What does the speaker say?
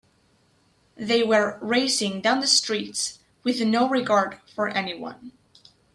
They were racing down the streets with no regard for anyone.